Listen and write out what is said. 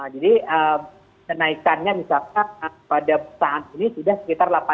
jadi naikannya misalkan pada saat ini sudah sekitar rp delapan